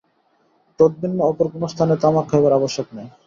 তদ্ভিন্ন অপর কোন স্থানে তামাক খাইবার আবশ্যক নাই।